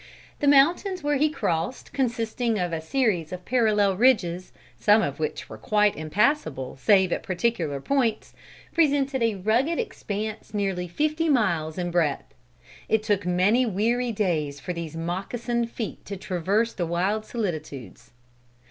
The mountains where he crossed, consisting of a series of parallel ridges, some of which were quite impassable save at particular points, presented a rugged expanse nearly fifty miles in breadth. It took many weary days for these moccassined feet to traverse the wild solitudes.